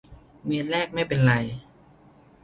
เมตรแรกไม่เป็นไร